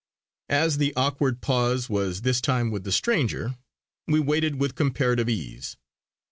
As the awkward pause was this time with the stranger, we waited with comparative ease.